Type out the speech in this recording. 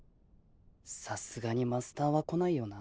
さすがにマスターは来ないよな。